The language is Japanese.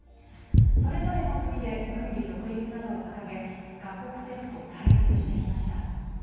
それぞれの国で分離独立などを掲げ各国政府と対立してきました。